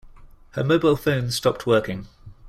Her mobile phone stopped working.